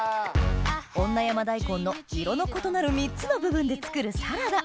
女山大根の色の異なる３つの部分で作るサラダ